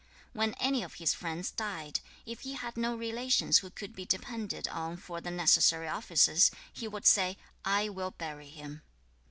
When any of his friends died, if he had no relations who could be depended on for the necessary offices, he would say, 'I will bury him.'